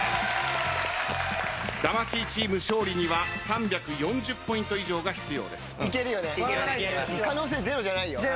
魂チーム勝利には３４０ポイント以上が必要です。